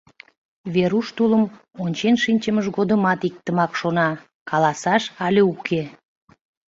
Веруш тулым ончен шинчымыж годымат иктымак шона: «Каласаш але уке?»